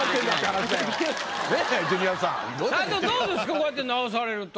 こうやって直されると。